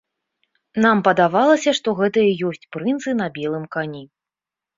Нам падавалася, што гэта і ёсць прынцы на белым кані.